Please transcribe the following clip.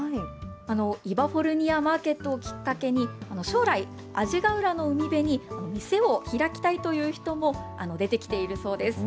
イバフォルニア・マーケットをきっかけに、将来、阿字ヶ浦の海辺に店を開きたいという人も出てきているそうです。